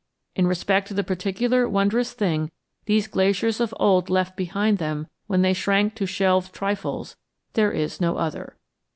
In respect to the particular wondrous thing these glaciers of old left behind them when they shrank to shelved trifles, there is no other.